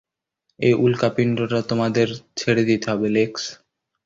ওই উল্কাপিণ্ডটা তোমার ছেড়ে দিতে হবে, লেক্স।